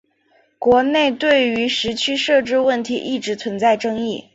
国内对于时区设置问题一直存在争议。